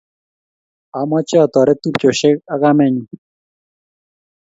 Amoche atoret tupchoshe ak kamenyu